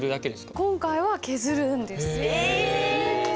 今回は削るんです。